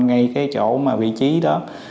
ngay cái chỗ mà vị trí đó